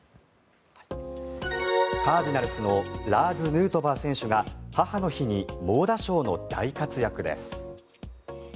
カージナルスのラーズ・ヌートバー選手が母の日に猛打賞の大活躍です。